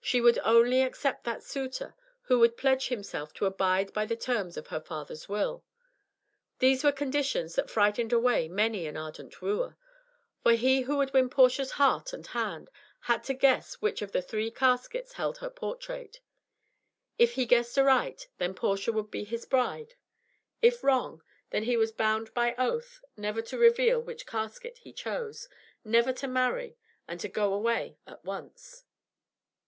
She would only accept that suitor who would pledge himself to abide by the terms of her father's will. These were conditions that frightened away many an ardent wooer. For he who would win Portia's heart and hand, had to guess which of three caskets held her portrait. If he guessed aright, then Portia would be his bride; if wrong, then he was bound by oath never to reveal which casket he chose, never to marry, and to go away at once.